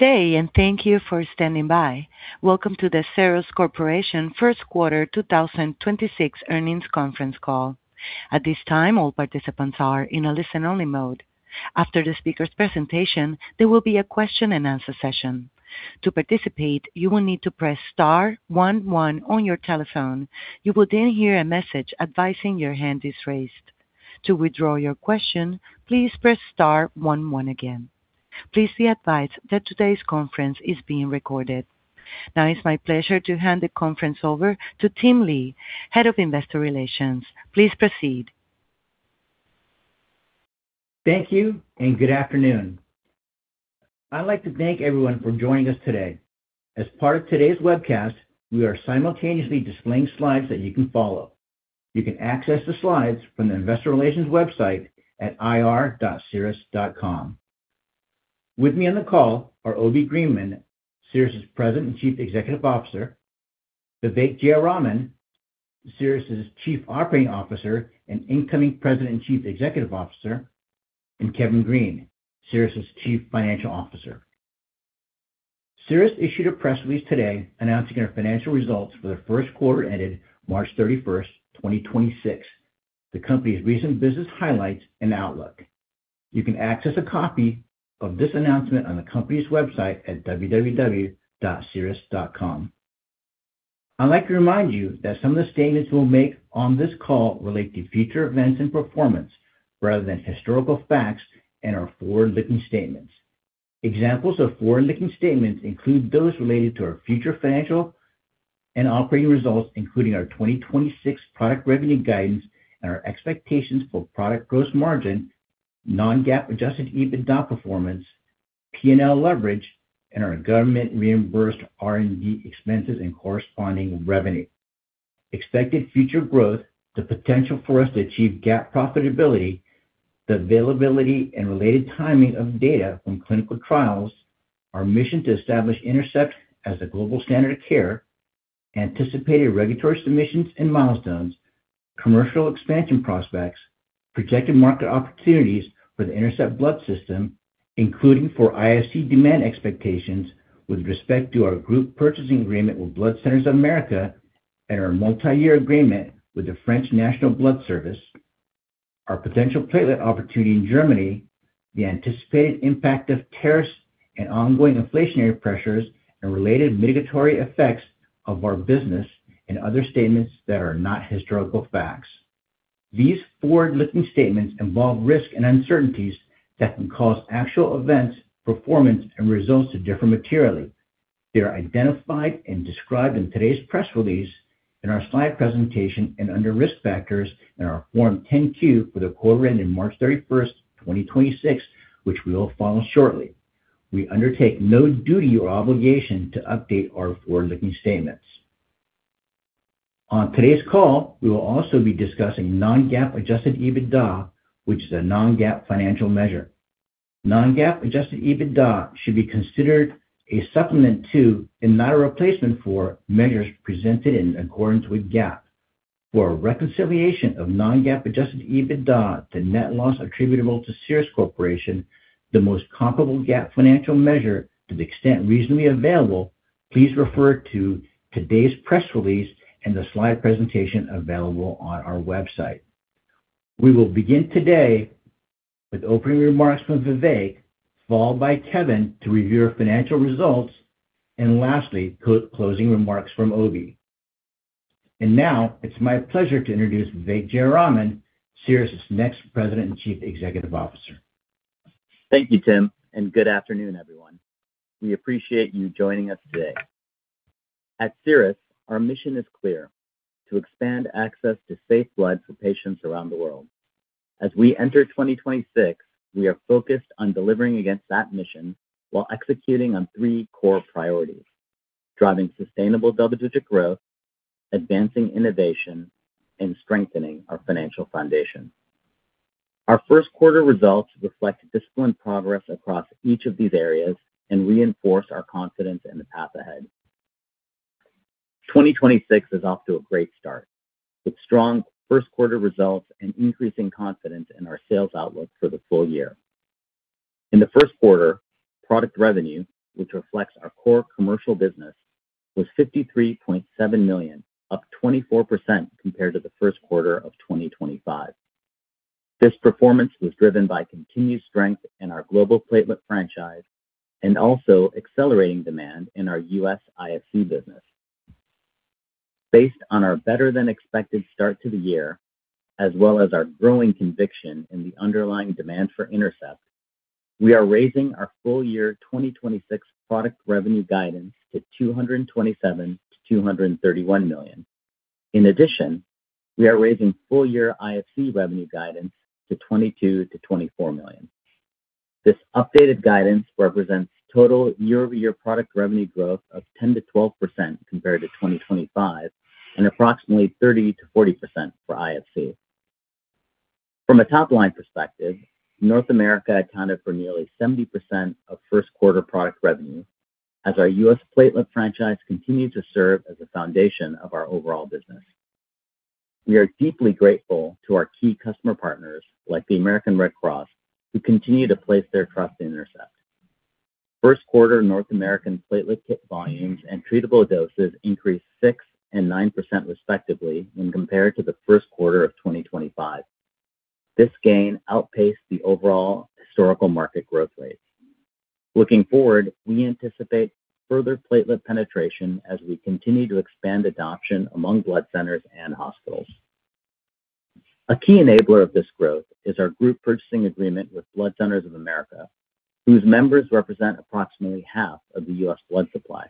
Good day, and thank you for standing by. Welcome to the Cerus Corporation Q1 2026 earnings conference call. At this time, all participants are in a listen-only mode. After the speaker's presentation, there will be a question-and-answer session. To participate, you will need to press star one one on your telephone. You will then hear a message advising your hand is raised. To withdraw your question, please press star one one again. Please be advised that today's conference is being recorded. Now it's my pleasure to hand the conference over to Tim Lee, Head of Investor Relations. Please proceed. Thank you and good afternoon. I'd like to thank everyone for joining us today. As part of today's webcast, we are simultaneously displaying slides that you can follow. You can access the slides from the investor relations website at ir.cerus.com. With me on the call are Obi Greenman, Cerus' President and Chief Executive Officer, Vivek Jayaraman, Cerus' Chief Operating Officer and incoming President and Chief Executive Officer, and Kevin Green, Cerus' Chief Financial Officer. Cerus issued a press release today announcing our financial results for the Q1 ended March 31, 2026, the company's recent business highlights and outlook. You can access a copy of this announcement on the company's website at www.cerus.com. I'd like to remind you that some of the statements we'll make on this call relate to future events and performance rather than historical facts and are forward-looking statements. Examples of forward-looking statements include those related to our future financial and operating results, including our 2026 product revenue guidance and our expectations for product gross margin, non-GAAP adjusted EBITDA performance, P&L leverage, and our government reimbursed R&D expenses and corresponding revenue. Expected future growth, the potential for us to achieve GAAP profitability, the availability and related timing of data from clinical trials, our mission to establish INTERCEPT as a global standard of care, anticipated regulatory submissions and milestones, commercial expansion prospects, projected market opportunities for the INTERCEPT Blood System, including for IFC demand expectations with respect to our group purchasing agreement with Blood Centers of America and our multi-year agreement with the French National Blood Service, our potential platelet opportunity in Germany, the anticipated impact of tariffs and ongoing inflationary pressures, and related mitigatory effects of our business, and other statements that are not historical facts. These forward-looking statements involve risks and uncertainties that can cause actual events, performance and results to differ materially. They are identified and described in today's press release, in our slide presentation, and under Risk Factors in our Form 10-Q for the quarter ending March 31st, 2026, which we will file shortly. We undertake no duty or obligation to update our forward-looking statements. On today's call, we will also be discussing non-GAAP adjusted EBITDA, which is a non-GAAP financial measure. Non-GAAP adjusted EBITDA should be considered a supplement to, and not a replacement for, measures presented in accordance with GAAP. For a reconciliation of non-GAAP adjusted EBITDA to net loss attributable to Cerus Corporation, the most comparable GAAP financial measure to the extent reasonably available, please refer to today's press release and the slide presentation available on our website. We will begin today with opening remarks from Vivek, followed by Kevin to review our financial results, and lastly, closing remarks from Obi. Now it's my pleasure to introduce Vivek Jayaraman, Cerus' next President and Chief Executive Officer. Thank you, Tim, and good afternoon, everyone. We appreciate you joining us today. At Cerus, our mission is clear: To expand access to safe blood for patients around the world. As we enter 2026, we are focused on delivering against that mission while executing on 3 core priorities, driving sustainable double-digit growth, advancing innovation and strengthening our financial foundation. Our Q1 results reflect disciplined progress across each of these areas and reinforce our confidence in the path ahead. 2026 is off to a great start with strong Q1 results and increasing confidence in our sales outlook for the full year. In the Q1, product revenue, which reflects our core commercial business, was $53.7 million, up 24% compared to the Q1 of 2025. This performance was driven by continued strength in our global platelet franchise and also accelerating demand in our U.S. IFC business. Based on our better-than-expected start to the year, as well as our growing conviction in the underlying demand for INTERCEPT, we are raising our full year 2026 product revenue guidance to $227 million-$231 million. In addition, we are raising full year IFC revenue guidance to $22 million-$24 million. This updated guidance represents total year-over-year product revenue growth of 10%-12% compared to 2025 and approximately 30%-40% for IFC. From a top-line perspective, North America accounted for nearly 70% of Q1 product revenue as our U.S. platelet franchise continued to serve as the foundation of our overall business. We are deeply grateful to our key customer partners, like the American Red Cross, who continue to place their trust in INTERCEPT. Q1 North American platelet kit volumes and treatable doses increased 6% and 9% respectively when compared to the Q1 of 2025. This gain outpaced the overall historical market growth rate. Looking forward, we anticipate further platelet penetration as we continue to expand adoption among blood centers and hospitals. A key enabler of this growth is our group purchasing agreement with Blood Centers of America, whose members represent approximately half of the U.S. blood supply.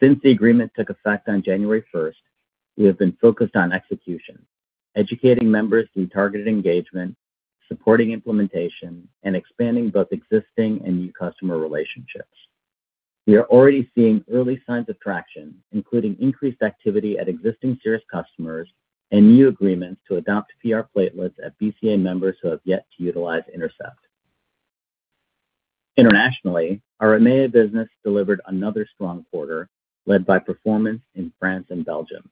Since the agreement took effect on January first, we have been focused on execution, educating members through targeted engagement, supporting implementation, and expanding both existing and new customer relationships. We are already seeing early signs of traction, including increased activity at existing Cerus customers and new agreements to adopt PR platelets at BCA members who have yet to utilize INTERCEPT. Internationally, our EMEA business delivered another strong quarter led by performance in France and Belgium.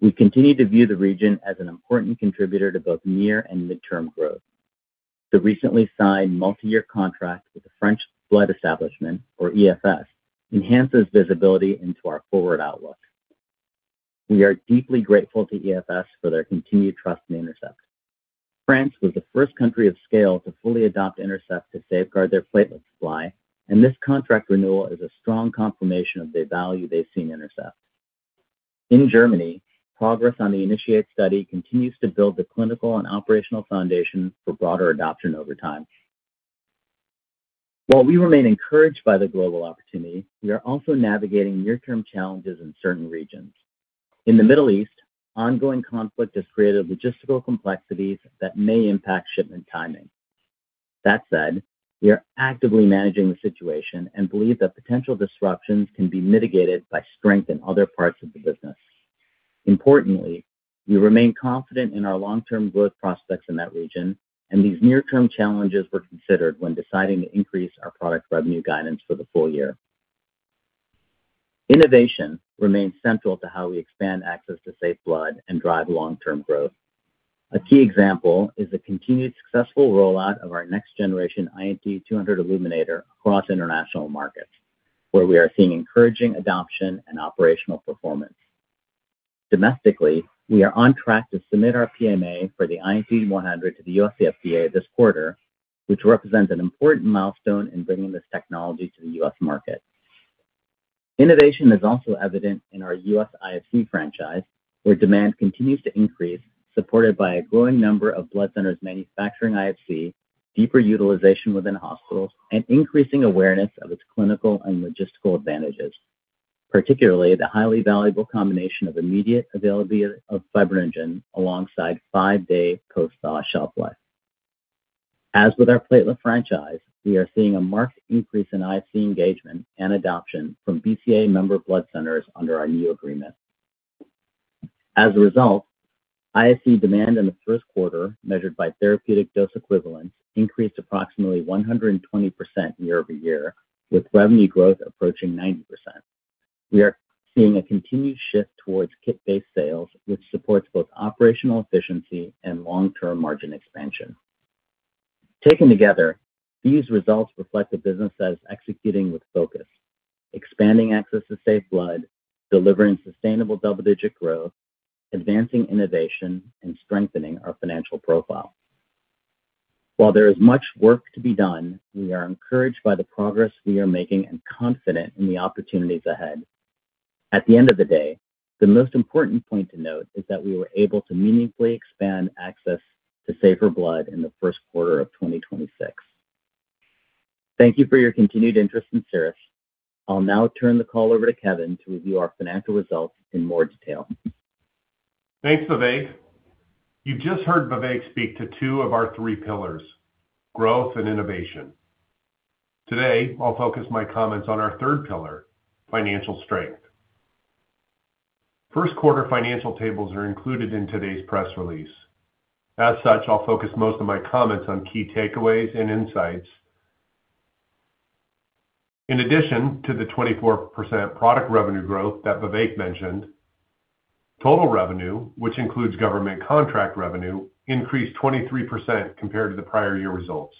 We continue to view the region as an important contributor to both near and mid-term growth. The recently signed multi-year contract with the French Blood Establishment, or EFS, enhances visibility into our forward outlook. We are deeply grateful to EFS for their continued trust in INTERCEPT. France was the first country of scale to fully adopt INTERCEPT to safeguard their platelet supply. This contract renewal is a strong confirmation of the value they see in INTERCEPT. In Germany, progress on the INITIATE study continues to build the clinical and operational foundation for broader adoption over time. While we remain encouraged by the global opportunity, we are also navigating near-term challenges in certain regions. In the Middle East, ongoing conflict has created logistical complexities that may impact shipment timing. That said, we are actively managing the situation and believe that potential disruptions can be mitigated by strength in other parts of the business. Importantly, we remain confident in our long-term growth prospects in that region. These near-term challenges were considered when deciding to increase our product revenue guidance for the full year. Innovation remains central to how we expand access to safe blood and drive long-term growth. A key example is the continued successful rollout of our next generation INT200 Illuminator across international markets, where we are seeing encouraging adoption and operational performance. Domestically, we are on track to submit our PMA for the INT100 to the U.S. FDA this quarter, which represents an important milestone in bringing this technology to the U.S. market. Innovation is also evident in our U.S. IFC franchise, where demand continues to increase, supported by a growing number of blood centers manufacturing IFC, deeper utilization within hospitals, and increasing awareness of its clinical and logistical advantages, particularly the highly valuable combination of immediate availability of fibrinogen alongside 5-day post-thaw shelf life. As with our platelet franchise, we are seeing a marked increase in IFC engagement and adoption from BCA member blood centers under our new agreement. As a result, IFC demand in the Q1, measured by therapeutic dose equivalents, increased approximately 120% year-over-year, with revenue growth approaching 90%. We are seeing a continued shift towards kit-based sales, which supports both operational efficiency and long-term margin expansion. Taken together, these results reflect a business that is executing with focus, expanding access to safe blood, delivering sustainable double-digit growth, advancing innovation, and strengthening our financial profile. While there is much work to be done, we are encouraged by the progress we are making and confident in the opportunities ahead. At the end of the day, the most important point to note is that we were able to meaningfully expand access to safer blood in the Q1 of 2026. Thank you for your continued interest in Cerus. I'll now turn the call over to Kevin to review our financial results in more detail. Thanks, Vivek. You've just heard Vivek speak to two of our three pillars, growth and innovation. Today, I'll focus my comments on our third pillar, financial strength. Q1 financial tables are included in today's press release. As such, I'll focus most of my comments on key takeaways and insights. In addition to the 24% product revenue growth that Vivek mentioned, total revenue, which includes government contract revenue, increased 23% compared to the prior year results.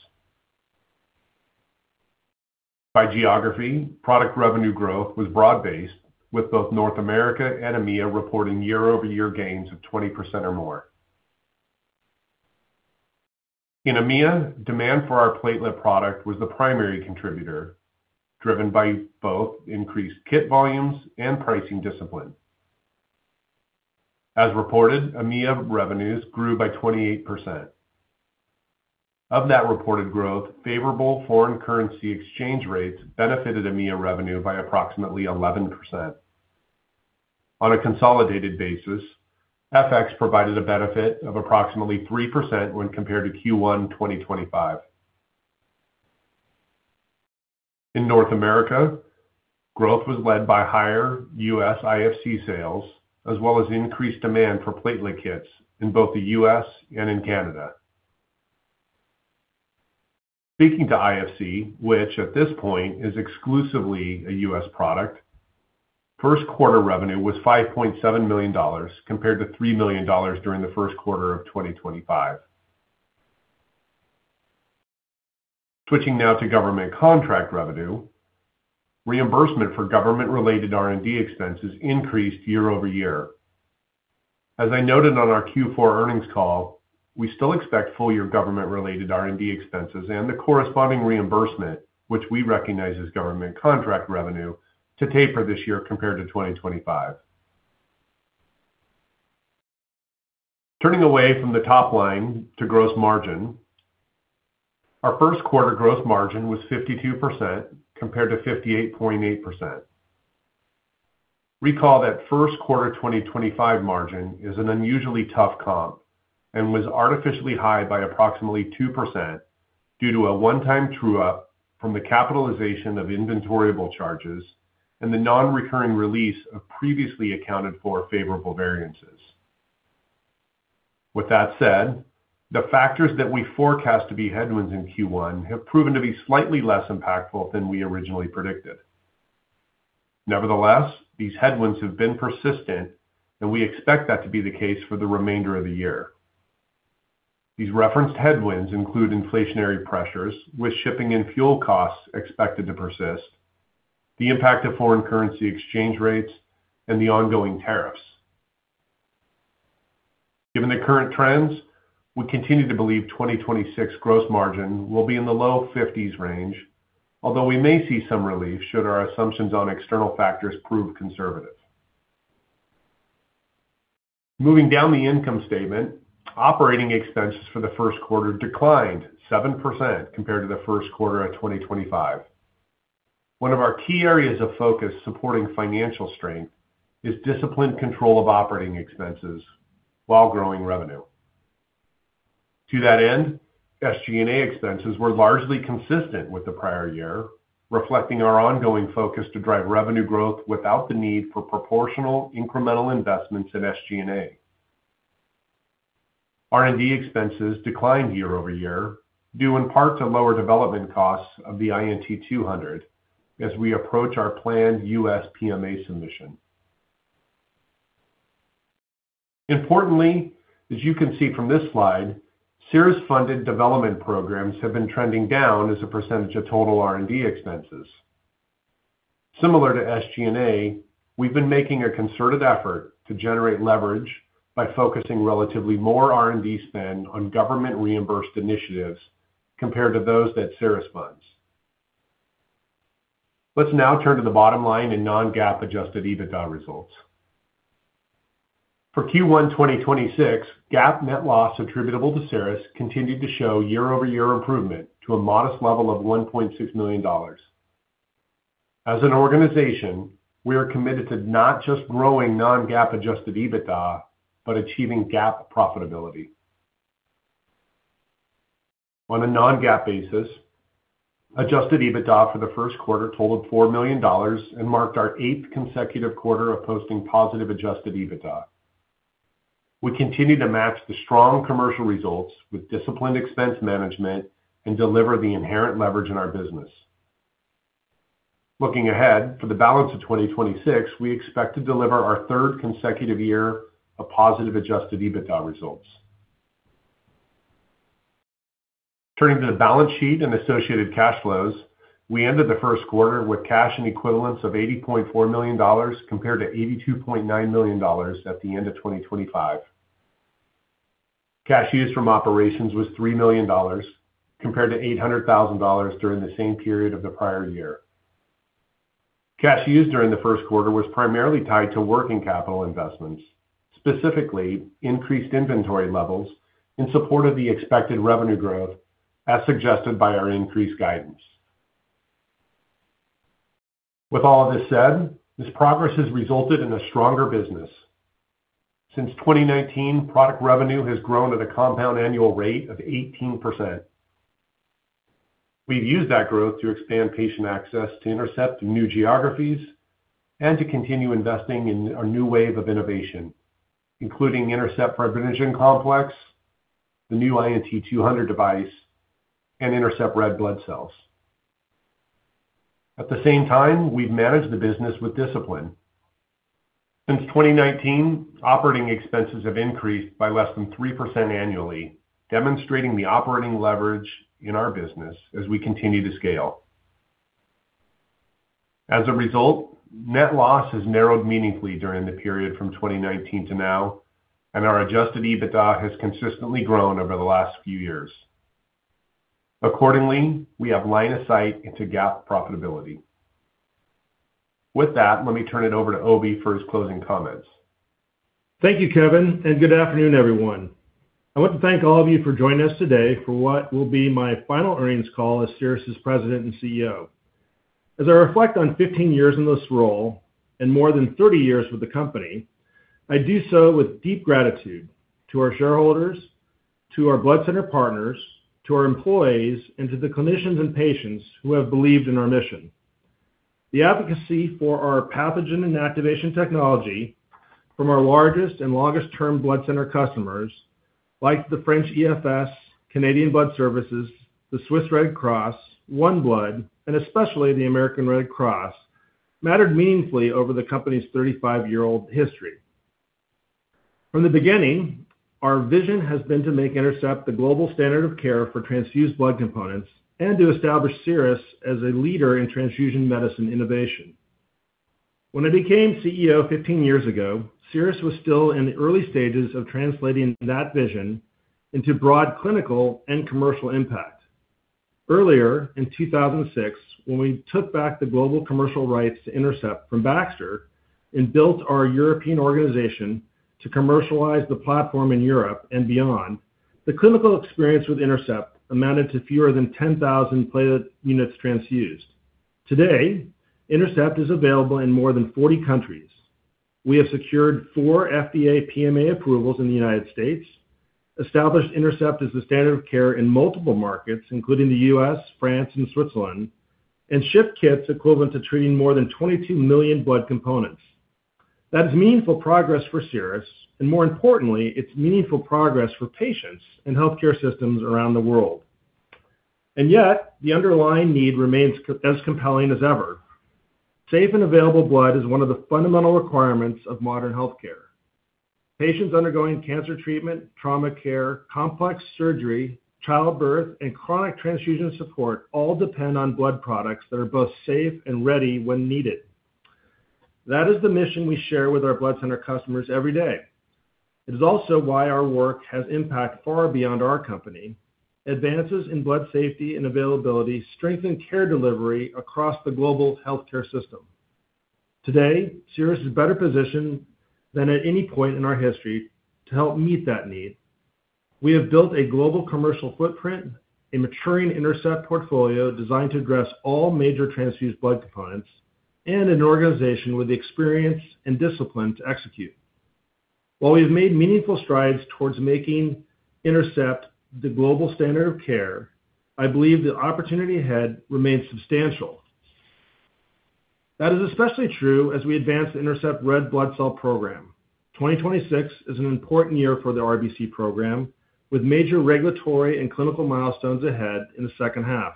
By geography, product revenue growth was broad-based with both North America and EMEA reporting year-over-year gains of 20% or more. In EMEA, demand for our platelet product was the primary contributor, driven by both increased kit volumes and pricing discipline. As reported, EMEA revenues grew by 28%. Of that reported growth, favorable foreign currency exchange rates benefited EMEA revenue by approximately 11%. On a consolidated basis, FX provided a benefit of approximately 3% when compared to Q1 2025. In North America, growth was led by higher U.S. IFC sales, as well as increased demand for platelet kits in both the U.S. and in Canada. Speaking to IFC, which at this point is exclusively a U.S. product, Q1 revenue was $5.7 million compared to $3 million during the Q1 of 2025. Switching now to government contract revenue, reimbursement for government-related R&D expenses increased year-over-year. As I noted on our Q4 earnings call, we still expect full-year government-related R&D expenses and the corresponding reimbursement, which we recognize as government contract revenue, to taper this year compared to 2025. Turning away from the top line to gross margin, our Q1 gross margin was 52% compared to 58.8%. Recall that Q1 2025 margin is an unusually tough comp and was artificially high by approximately 2% due to a one-time true-up from the capitalization of inventoriable charges and the non-recurring release of previously accounted for favorable variances. The factors that we forecast to be headwinds in Q1 have proven to be slightly less impactful than we originally predicted. These headwinds have been persistent, and we expect that to be the case for the remainder of the year. These referenced headwinds include inflationary pressures with shipping and fuel costs expected to persist, the impact of foreign currency exchange rates, and the ongoing tariffs. Given the current trends, we continue to believe 2026 gross margin will be in the low 50s range, although we may see some relief should our assumptions on external factors prove conservative. Moving down the income statement, operating expenses for the Q1 declined 7% compared to the Q1 of 2025. One of our key areas of focus supporting financial strength is disciplined control of operating expenses while growing revenue. To that end, SG&A expenses were largely consistent with the prior year, reflecting our ongoing focus to drive revenue growth without the need for proportional incremental investments in SG&A. R&D expenses declined year-over-year, due in part to lower development costs of the INT200 as we approach our planned U.S. PMA submission. Importantly, as you can see from this slide, Cerus-funded development programs have been trending down as a percentage of total R&D expenses. Similar to SG&A, we've been making a concerted effort to generate leverage by focusing relatively more R&D spend on government-reimbursed initiatives compared to those that Cerus funds. Let's now turn to the bottom line in non-GAAP adjusted EBITDA results. For Q1 2026, GAAP net loss attributable to Cerus continued to show year-over-year improvement to a modest level of $1.6 million. As an organization, we are committed to not just growing non-GAAP adjusted EBITDA, but achieving GAAP profitability. On a non-GAAP basis, adjusted EBITDA for the Q1 totaled $4 million and marked our eighth consecutive quarter of posting positive adjusted EBITDA. We continue to match the strong commercial results with disciplined expense management and deliver the inherent leverage in our business. Looking ahead, for the balance of 2026, we expect to deliver our third consecutive year of positive adjusted EBITDA results. Turning to the balance sheet and associated cash flows, we ended the Q1 with cash and equivalents of $80.4 million compared to $82.9 million at the end of 2025. Cash used from operations was $3 million compared to $800,000 during the same period of the prior year. Cash used during the Q1 was primarily tied to working capital investments, specifically increased inventory levels in support of the expected revenue growth as suggested by our increased guidance. With all of this said, this progress has resulted in a stronger business. Since 2019, product revenue has grown at a compound annual rate of 18%. We've used that growth to expand patient access to INTERCEPT in new geographies and to continue investing in our new wave of innovation, including INTERCEPT Fibrinogen Complex, the new INT200 device, and INTERCEPT Red Blood Cell System. At the same time, we've managed the business with discipline. Since 2019, operating expenses have increased by less than 3% annually, demonstrating the operating leverage in our business as we continue to scale. As a result, net loss has narrowed meaningfully during the period from 2019 to now, and our adjusted EBITDA has consistently grown over the last few years. Accordingly, we have line of sight into GAAP profitability. With that, let me turn it over to Obi for his closing comments. Thank you, Kevin, and good afternoon, everyone. I want to thank all of you for joining us today for what will be my final earnings call as Cerus' President and CEO. As I reflect on 15 years in this role and more than 30 years with the company, I do so with deep gratitude to our shareholders, to our blood center partners, to our employees, and to the clinicians and patients who have believed in our mission. The advocacy for our pathogen inactivation technology from our largest and longest-term blood center customers, like the French EFS, Canadian Blood Services, the Swiss Red Cross, OneBlood, and especially the American Red Cross, mattered meaningfully over the company's 35-year-old history. From the beginning, our vision has been to make INTERCEPT the global standard of care for transfused blood components and to establish Cerus as a leader in transfusion medicine innovation. When I became CEO 15 years ago, Cerus was still in the early stages of translating that vision into broad clinical and commercial impact. Earlier in 2006, when we took back the global commercial rights to INTERCEPT from Baxter and built our European organization to commercialize the platform in Europe and beyond, the clinical experience with INTERCEPT amounted to fewer than 10,000 platelet units transfused. Today, INTERCEPT is available in more than 40 countries. We have secured 4 FDA PMA approvals in the United States, established INTERCEPT as the standard of care in multiple markets, including the U.S., France, and Switzerland, and shipped kits equivalent to treating more than 22 million blood components. That's meaningful progress for Cerus, and more importantly, it's meaningful progress for patients and healthcare systems around the world. Yet, the underlying need remains as compelling as ever. Safe and available blood is one of the fundamental requirements of modern healthcare. Patients undergoing cancer treatment, trauma care, complex surgery, childbirth, and chronic transfusion support all depend on blood products that are both safe and ready when needed. That is the mission we share with our blood center customers every day. It is also why our work has impact far beyond our company. Advances in blood safety and availability strengthen care delivery across the global healthcare system. Today, Cerus is better positioned than at any point in our history to help meet that need. We have built a global commercial footprint, a maturing INTERCEPT portfolio designed to address all major transfused blood components, and an organization with the experience and discipline to execute. While we have made meaningful strides towards making INTERCEPT the global standard of care, I believe the opportunity ahead remains substantial. That is especially true as we advance the INTERCEPT Red Blood Cell System program. 2026 is an important year for the RBC program, with major regulatory and clinical milestones ahead in the second half.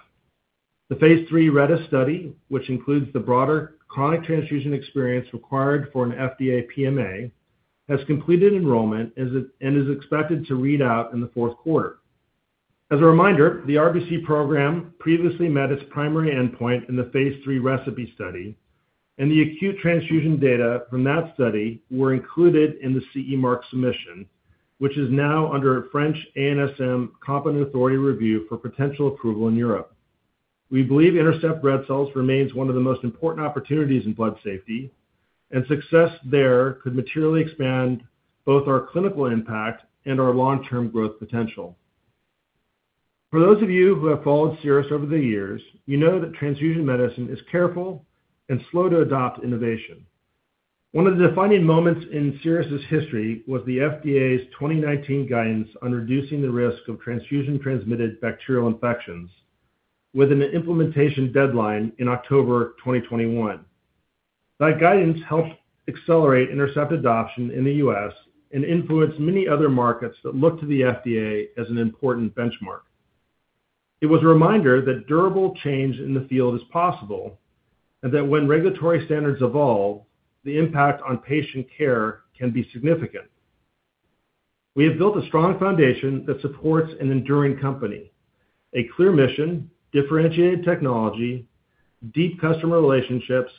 The phase III RedeS study, which includes the broader chronic transfusion experience required for an FDA PMA, has completed enrollment and is expected to read out in the Q4. As a reminder, the RBC program previously met its primary endpoint in the phase III RECIPE study, the acute transfusion data from that study were included in the CE mark submission, which is now under a French ANSM competent authority review for potential approval in Europe. We believe INTERCEPT red cells remains one of the most important opportunities in blood safety, and success there could materially expand both our clinical impact and our long-term growth potential. For those of you who have followed Cerus over the years, you know that transfusion medicine is careful and slow to adopt innovation. One of the defining moments in Cerus' history was the FDA's 2019 guidance on reducing the risk of transfusion-transmitted bacterial infections with an implementation deadline in October 2021. That guidance helped accelerate INTERCEPT adoption in the U.S. and influenced many other markets that look to the FDA as an important benchmark. It was a reminder that durable change in the field is possible, and that when regulatory standards evolve, the impact on patient care can be significant. We have built a strong foundation that supports an enduring company, a clear mission, differentiated technology, deep customer relationships,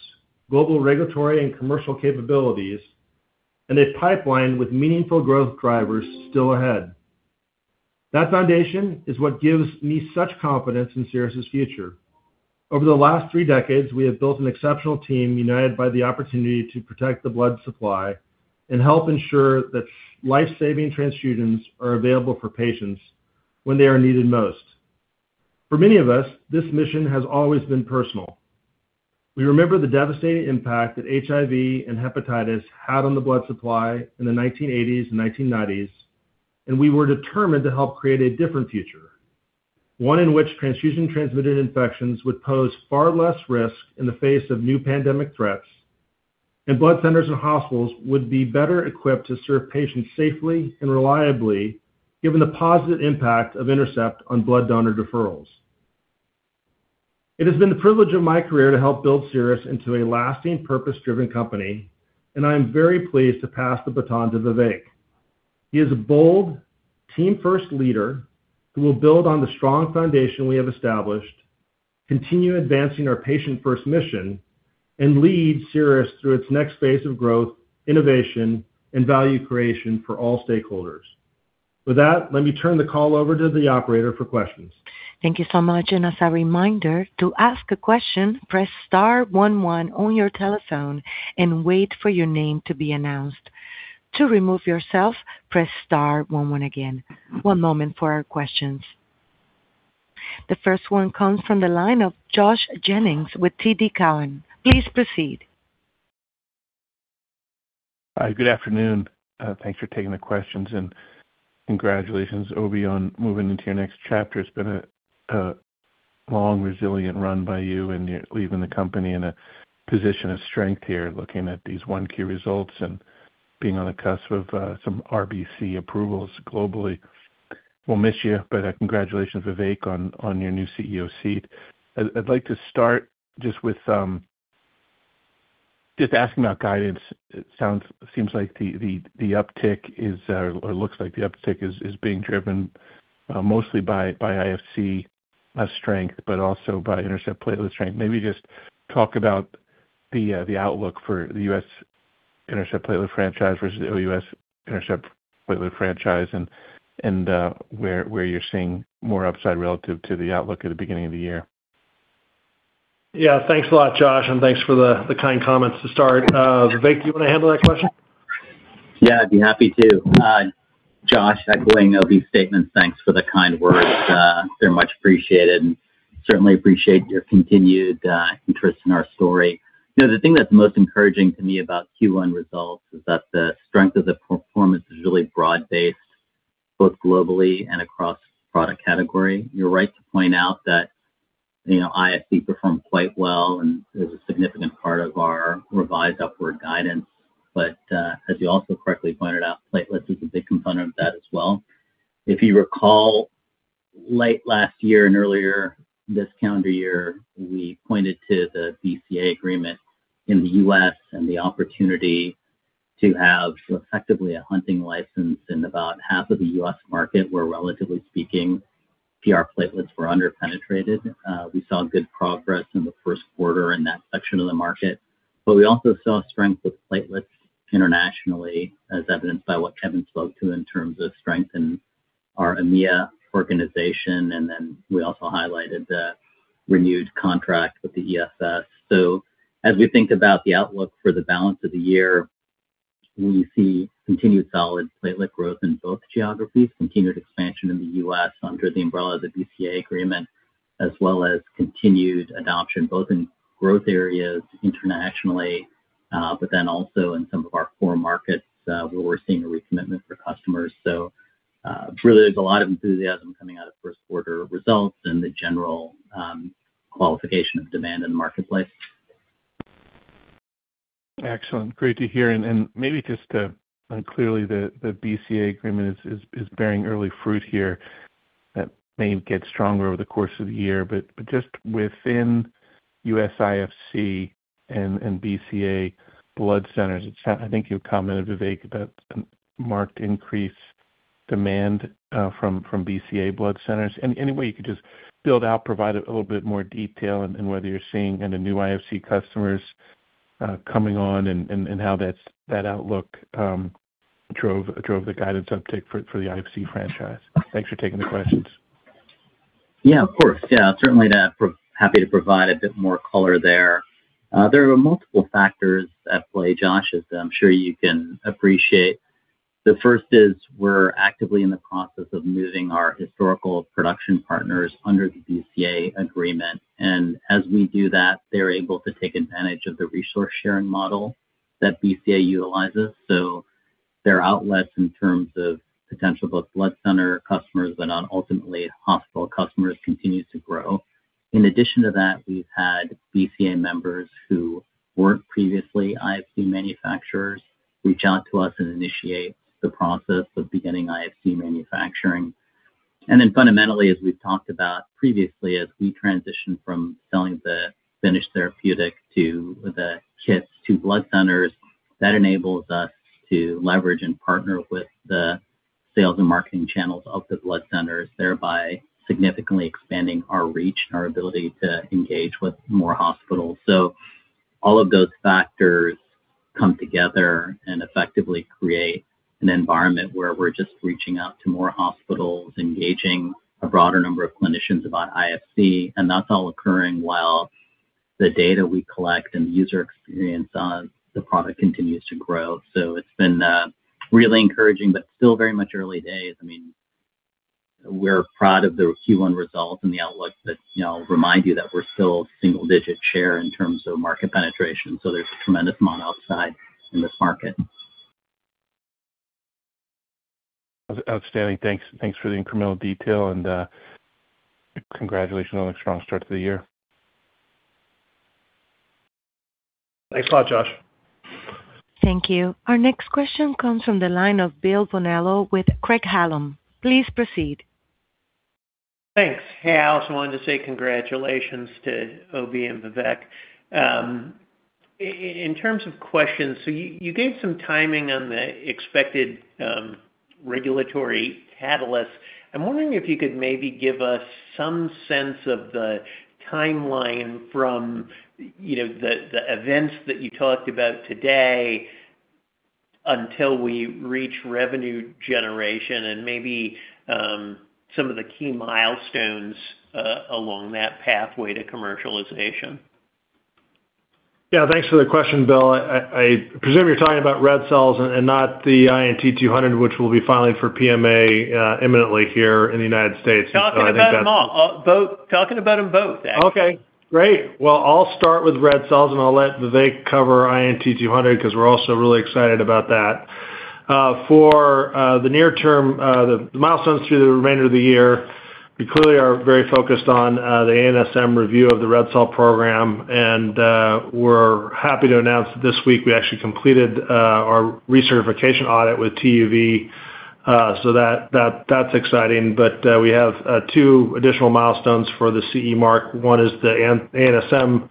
global regulatory and commercial capabilities, and a pipeline with meaningful growth drivers still ahead. That foundation is what gives me such confidence in Cerus' future. Over the last three decades, we have built an exceptional team united by the opportunity to protect the blood supply and help ensure that life-saving transfusions are available for patients when they are needed most. For many of us, this mission has always been personal. We remember the devastating impact that HIV and hepatitis had on the blood supply in the 1980s and 1990s, and we were determined to help create a different future. One in which transfusion-transmitted infections would pose far less risk in the face of new pandemic threats, and blood centers and hospitals would be better equipped to serve patients safely and reliably, given the positive impact of INTERCEPT on blood donor deferrals. It has been the privilege of my career to help build Cerus into a lasting, purpose-driven company, and I am very pleased to pass the baton to Vivek. He is a bold, team-first leader who will build on the strong foundation we have established, continue advancing our patient-first mission, and lead Cerus through its next phase of growth, innovation, and value creation for all stakeholders. With that, let me turn the call over to the operator for questions. Thank you so much. As a reminder, to ask a question, press star one one on your telephone and wait for your name to be announced. To remove yourself, press star one one again. One moment for our questions. The first one comes from the line of Joshua Jennings with TD Cowen. Please proceed. Good afternoon. Thanks for taking the questions. Congratulations, Obi, on moving into your next chapter. It's been a long, resilient run by you, and you're leaving the company in a position of strength here, looking at these Q1 results and being on the cusp of some RBC approvals globally. We'll miss you, but congratulations, Vivek Jayaraman, on your new CEO seat. I'd like to start just with asking about guidance. It seems like the uptick is or looks like the uptick is being driven mostly by IFC strength, but also by INTERCEPT platelet strength. Maybe just talk about the outlook for the U.S. INTERCEPT platelet franchise versus the OUS INTERCEPT platelet franchise and where you're seeing more upside relative to the outlook at the beginning of the year? Yeah. Thanks a lot, Josh, and thanks for the kind comments to start. Vivek, do you want to handle that question? Yeah, I'd be happy to. Joshua Jennings, echoing Obi's statements, thanks for the kind words. They're much appreciated, and certainly appreciate your continued interest in our story. You know, the thing that's most encouraging to me about Q1 results is that the strength of the performance is really broad-based, both globally and across product category. You're right to point out that, you know, IFC performed quite well and is a significant part of our revised upward guidance. As you also correctly pointed out, platelets is a big component of that as well. If you recall, late last year and earlier this calendar year, we pointed to the BCA agreement in the U.S. and the opportunity to have effectively a hunting license in about half of the U.S. market, where relatively speaking, pathogen-reduced platelets were under-penetrated. We saw good progress in the Q1 in that section of the market. We also saw strength with platelets internationally, as evidenced by what Kevin spoke to in terms of strength in our EMEA organization. We also highlighted the renewed contract with the EFS. As we think about the outlook for the balance of the year, we see continued solid platelet growth in both geographies, continued expansion in the U.S. under the umbrella of the BCA agreement, as well as continued adoption both in growth areas internationally, but then also in some of our core markets, where we're seeing a recommitment for customers. Really there's a lot of enthusiasm coming out of Q1 results and the general qualification of demand in the marketplace. Excellent. Great to hear. Clearly the BCA agreement is bearing early fruit here that may get stronger over the course of the year. Just within U.S. IFC and BCA blood centers, I think you commented, Vivek, about marked increase demand from BCA blood centers. Any way you could just build out, provide a little more detail in whether you're seeing any new IFC customers coming on and how that outlook drove the guidance uptick for the IFC franchise. Thanks for taking the questions. Yeah. Of course. Yeah, certainly happy to provide a bit more color there. There are multiple factors at play, Josh, as I'm sure you can appreciate. The first is we're actively in the process of moving our historical production partners under the BCA agreement. As we do that, they're able to take advantage of the resource-sharing model that BCA utilizes. Their outlets in terms of potential both blood center customers but on ultimately hospital customers continues to grow. In addition to that, we've had BCA members who weren't previously IFC manufacturers reach out to us and initiate the process of beginning IFC manufacturing. Fundamentally, as we've talked about previously, as we transition from selling the finished therapeutic to the kits to blood centers, that enables us to leverage and partner with the sales and marketing channels of the blood centers, thereby significantly expanding our reach and our ability to engage with more hospitals. All of those factors come together and effectively create an environment where we're just reaching out to more hospitals, engaging a broader number of clinicians about IFC, and that's all occurring while the data we collect and the user experience on the product continues to grow. It's been really encouraging, but still very much early days. I mean, we're proud of the Q1 results and the outlook, but, you know, I'll remind you that we're still single-digit share in terms of market penetration. There's a tremendous amount outside in this market. Outstanding. Thanks. Thanks for the incremental detail and congratulations on the strong start to the year. Thanks a lot, Josh. Thank you. Our next question comes from the line of Bill Boniello with Craig-Hallum. Please proceed. Thanks. Hey, I also wanted to say congratulations to Obi and Vivek. In terms of questions, you gave some timing on the expected regulatory catalyst. I'm wondering if you could maybe give us some sense of the timeline from, you know, the events that you talked about today until we reach revenue generation and maybe some of the key milestones along that pathway to commercialization. Yeah. Thanks for the question, Bill. I presume you're talking about red cells and not the INT-200, which we'll be filing for PMA imminently here in the United States. Talking about them all. Both. Talking about them both, actually. Okay. Great. Well, I'll start with Red Blood Cells, and I'll let Vivek cover INT200 because we're also really excited about that. For the near term, the milestones through the remainder of the year, we clearly are very focused on the ANSM review of the Red Blood Cell program, and we're happy to announce that this week we actually completed our recertification audit with TÜV. That's exciting. We have 2 additional milestones for the CE mark. One is the ANSM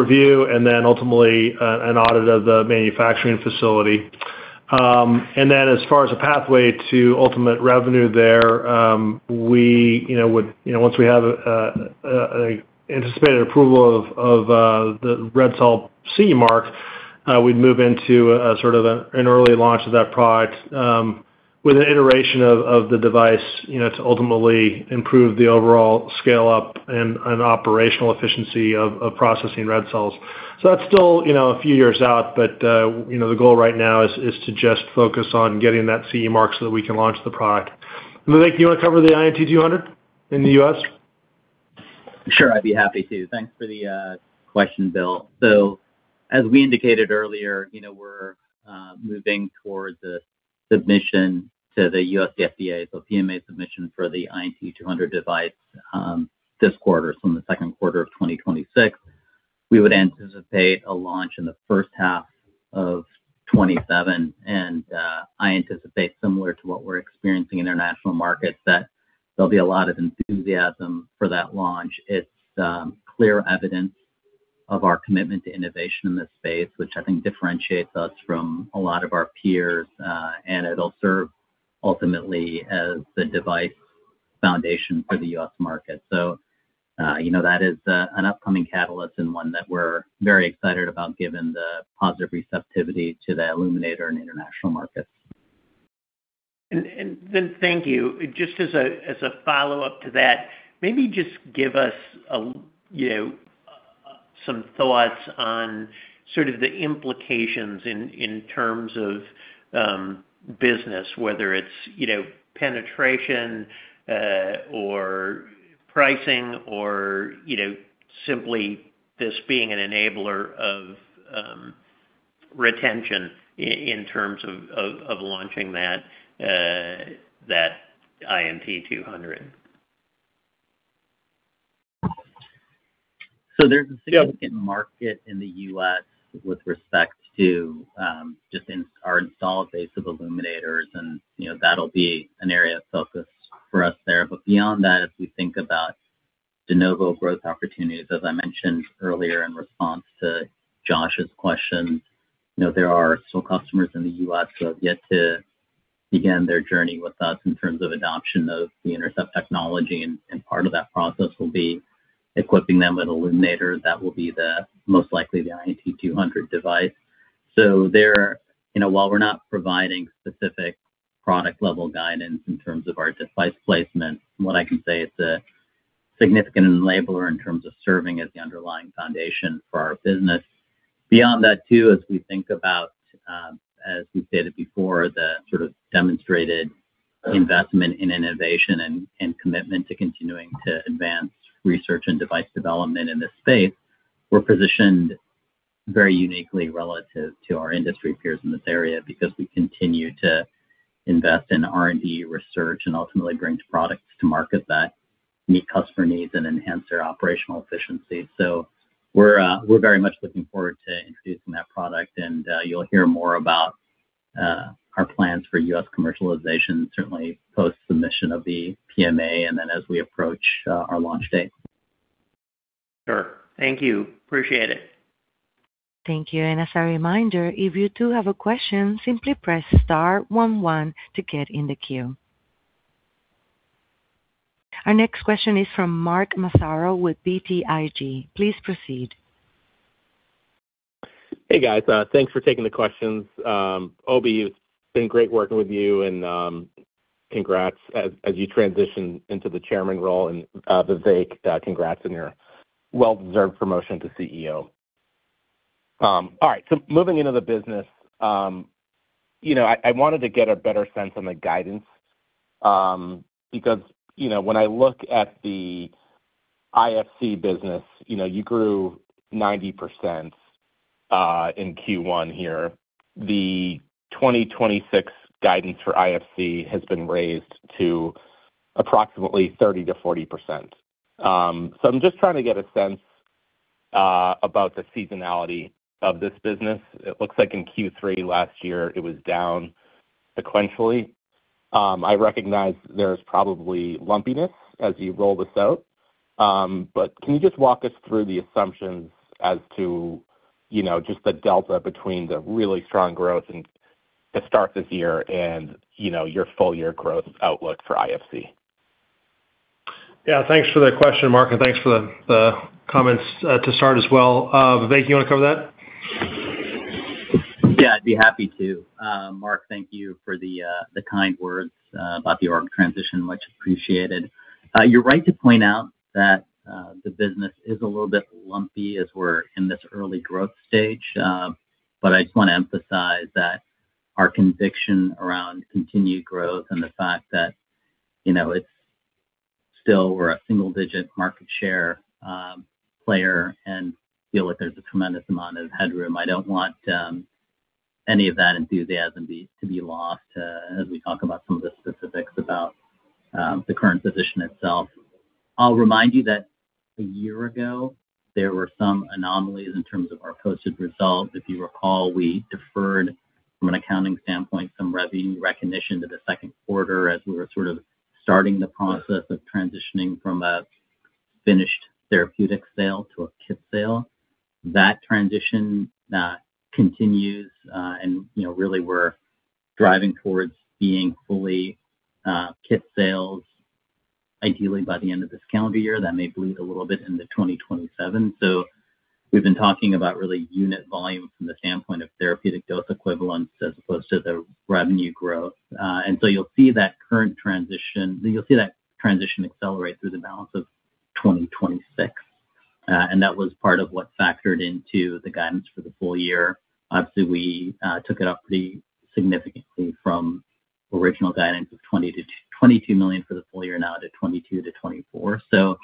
review and then ultimately an audit of the manufacturing facility. As far as a pathway to ultimate revenue there, we, you know, would, you know, once we have an anticipated approval of the red cell CE mark, we'd move into a sort of an early launch of that product, with an iteration of the device, you know, to ultimately improve the overall scale-up and operational efficiency of processing red cells. That's still, you know, a few years out. The goal right now is to just focus on getting that CE mark so that we can launch the product. Vivek, do you wanna cover the INT200 in the U.S.? Sure, I'd be happy to. Thanks for the question, Bill. As we indicated earlier, you know, we're moving towards a submission to the U.S. FDA. PMA submission for the INT200 device this quarter, in the Q2 of 2026. We would anticipate a launch in the first half of 2027. I anticipate similar to what we're experiencing in international markets, that there'll be a lot of enthusiasm for that launch. It's clear evidence of our commitment to innovation in this space, which I think differentiates us from a lot of our peers. It'll serve ultimately as the device foundation for the U.S. market. You know, that is an upcoming catalyst and one that we're very excited about given the positive receptivity to the Illuminator in international markets. Then thank you. Just as a follow-up to that, maybe just give us you know, some thoughts on sort of the implications in terms of business, whether it's, you know, penetration, or pricing or, you know, simply this being an enabler of retention in terms of launching that INT200. There's a significant market in the U.S. with respect to just in our installed base of Illuminators, and, you know, that'll be an area of focus for us there. Beyond that, as we think about de novo growth opportunities, as I mentioned earlier in response to Josh's question, you know, there are still customers in the U.S. who have yet to begin their journey with us in terms of adoption of the INTERCEPT technology, and part of that process will be equipping them with Illuminator. That will be the most likely the INT200 device. There, you know, while we're not providing specific product level guidance in terms of our device placement, what I can say is a significant enabler in terms of serving as the underlying foundation for our business. Beyond that too, as we think about, as we've stated before, the sort of demonstrated investment in innovation and commitment to continuing to advance research and device development in this space, we're positioned very uniquely relative to our industry peers in this area because we continue to invest in R&D research and ultimately bring products to market that meet customer needs and enhance their operational efficiency. We're very much looking forward to introducing that product, and you'll hear more about our plans for U.S. commercialization, certainly post submission of the PMA and then as we approach our launch date. Sure. Thank you. Appreciate it. Thank you. As a reminder, if you too have a question, simply press star 11 to get in the queue. Our next question is from Mark Massaro with BTIG. Please proceed. Hey, guys. Thanks for taking the questions. Obi, it's been great working with you and, congrats as you transition into the chairman role. Vivek, congrats on your well-deserved promotion to CEO. All right, moving into the business, you know, I wanted to get a better sense on the guidance, because, you know, when I look at the IFC business, you know, you grew 90% in Q1 here. The 2026 guidance for IFC has been raised to approximately 30%-40%. I'm just trying to get a sense about the seasonality of this business. It looks like in Q3 last year it was down sequentially. I recognize there's probably lumpiness as you roll this out. Can you just walk us through the assumptions as to, you know, just the delta between the really strong growth and the start this year and, you know, your full year growth outlook for IFC? Yeah. Thanks for the question, Mark, and thanks for the comments to start as well. Vivek, you wanna cover that? Yeah, I'd be happy to. Mark, thank you for the kind words about the org transition. Much appreciated. You're right to point out that the business is a little bit lumpy as we're in this early growth stage. I just wanna emphasize that our conviction around continued growth and the fact that, you know, Still, we're a single-digit market share player and feel like there's a tremendous amount of headroom. I don't want any of that enthusiasm to be lost as we talk about some of the specifics about the current position itself. I'll remind you that a year ago, there were some anomalies in terms of our posted results. If you recall, we deferred from an accounting standpoint some revenue recognition to the Q2 as we were sort of starting the process of transitioning from a finished therapeutic sale to a kit sale. That transition continues, and, you know, really we're driving towards being fully kit sales ideally by the end of this calendar year. That may bleed a little bit into 2027. We've been talking about really unit volume from the standpoint of therapeutic dose equivalents as opposed to the revenue growth. You'll see that transition accelerate through the balance of 2026. That was part of what factored into the guidance for the full year. Obviously, we took it up pretty significantly from original guidance of $20 million-$22 million for the full year, now to $22 million-$24 million.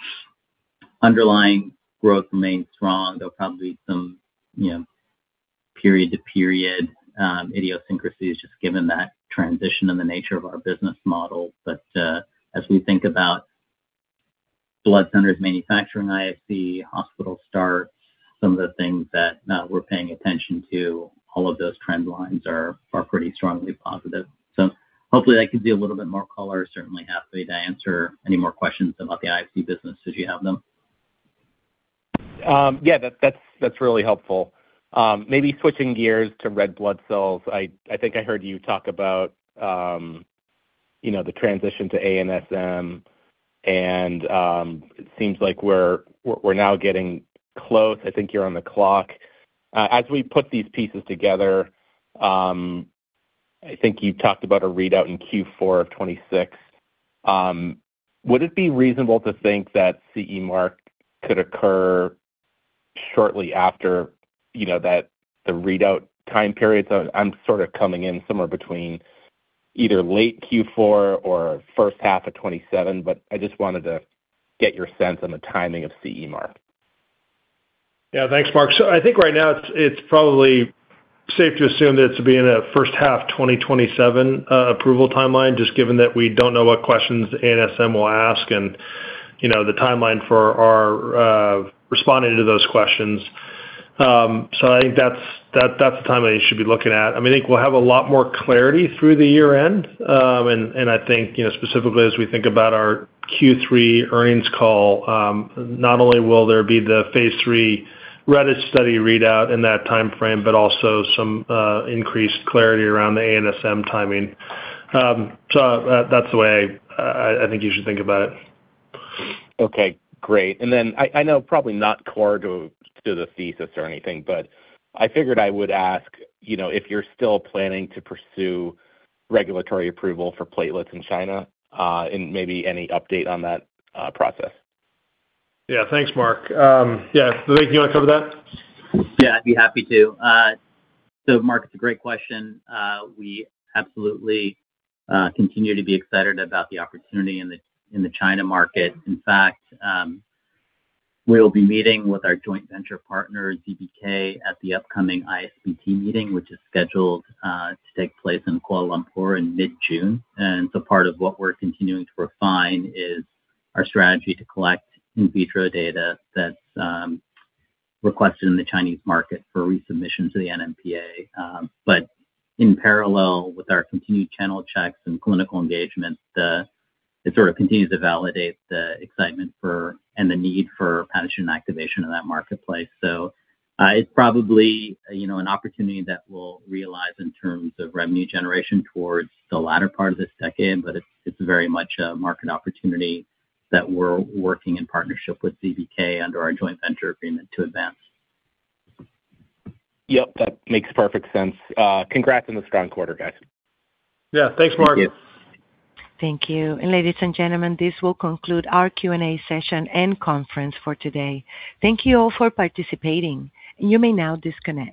Underlying growth remains strong. There'll probably be some, you know, period-to-period idiosyncrasies just given that transition and the nature of our business model. As we think about blood centers manufacturing IFC, hospital starts, some of the things that we're paying attention to, all of those trend lines are pretty strongly positive. Hopefully that gives you a little bit more color. Certainly happy to answer any more questions about the IFC business as you have them. Yeah, that's really helpful. Maybe switching gears to red blood cells. I think I heard you talk about, you know, the transition to ANSM and it seems like we're now getting close. I think you're on the clock. As we put these pieces together, I think you talked about a readout in Q4 of 2026. Would it be reasonable to think that CE Mark could occur shortly after, you know, that, the readout time period? I'm sort of coming in somewhere between either late Q4 or first half of 2027, but I just wanted to get your sense on the timing of CE Mark. Yeah. Thanks, Mark. I think right now it's probably safe to assume that it'll be in a first half 2027 approval timeline, just given that we don't know what questions ANSM will ask and, you know, the timeline for our responding to those questions. I think that's the timeline you should be looking at. I mean, I think we'll have a lot more clarity through the year-end. I think, you know, specifically as we think about our Q3 earnings call, not only will there be the phase III RedeS study readout in that timeframe, but also some increased clarity around the ANSM timing. That's the way I think you should think about it. Okay. Great. I know probably not core to the thesis or anything, but I figured I would ask, you know, if you're still planning to pursue regulatory approval for platelets in China, and maybe any update on that process? Yeah. Thanks, Mark. Yeah. Vivek, you wanna cover that? I'd be happy to. Mark, it's a great question. We absolutely continue to be excited about the opportunity in the China market. In fact, we'll be meeting with our joint venture partner, ZBK, at the upcoming ISBT meeting, which is scheduled to take place in Kuala Lumpur in mid-June. Part of what we're continuing to refine is our strategy to collect in vitro data that's requested in the Chinese market for resubmission to the NMPA. In parallel with our continued channel checks and clinical engagements, it sort of continues to validate the excitement for, and the need for pathogen inactivation in that marketplace. It's probably, you know, an opportunity that we'll realize in terms of revenue generation towards the latter part of this decade, but it's very much a market opportunity that we're working in partnership with ZBK under our joint venture agreement to advance. Yep. That makes perfect sense. Congrats on the strong quarter, guys. Yeah. Thanks, Mark. Thank you. Thank you. Ladies and gentlemen, this will conclude our Q&A session and conference for today. Thank you all for participating. You may now disconnect.